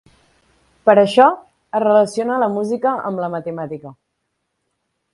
Per això, es relaciona la música amb la matemàtica.